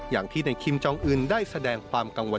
การพบกันในวันนี้ปิดท้ายด้วยการรับประทานอาหารค่ำร่วมกัน